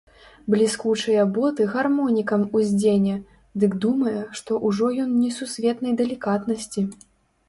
Бліскучыя боты гармонікам уздзене, дык думае, што ўжо ён несусветнай далікатнасці.